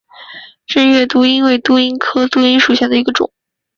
滇越杜英为杜英科杜英属下的一个种。